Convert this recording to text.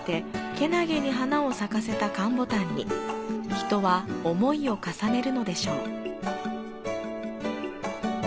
人は思いを重ねるのでしょう。